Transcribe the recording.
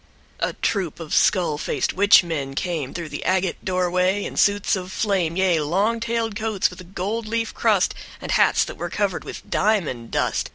# With pomposity. # A troupe of skull faced witch men came Through the agate doorway in suits of flame, Yea, long tailed coats with a gold leaf crust And hats that were covered with diamond dust.